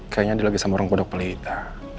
kayaknya dia lagi sama orang kodok pelita